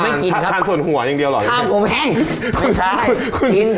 ไม่กินครับทานส่วนหัวอย่างเดียวหรอทานผมให้ไม่ใช่คุณกิน